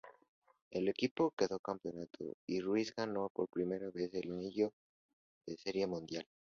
El equipo quedó campeón y Ruiz ganó su primer anillo de Serie Mundial.